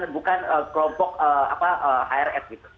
bukan kelompok hrs